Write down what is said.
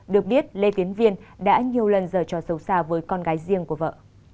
được biết lê tiến viên đã nhiều lần giở trò xấu xa với con gái riêng của vợ